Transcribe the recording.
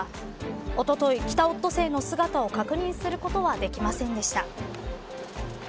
おととい、キタオットセイの姿を確認することはできませんでした。